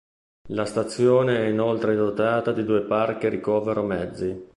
La stazione è inoltre dotata di due parchi ricovero mezzi.